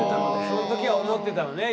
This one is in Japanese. その時は思ってたのね？